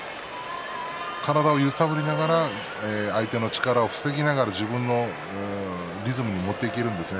体を揺さぶりながら相手の力を防ぎながら自分のリズムに持っていけるんですね